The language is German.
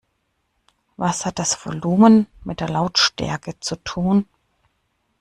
Was hat das Volumen mit der Lautstärke zu tun?